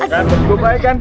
gak berguna kan